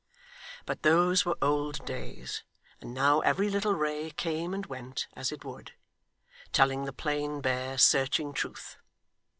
But those were old days, and now every little ray came and went as it would; telling the plain, bare, searching truth.